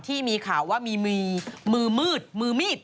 ที่มีข่าวว่ามีมือมืดมือมีด